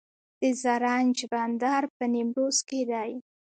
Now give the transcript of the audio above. د زرنج بندر په نیمروز کې دی